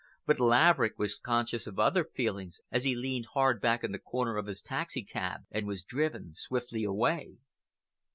But Laverick was conscious of other feelings as he leaned hard back in the corner of his taxicab and was driven swiftly away.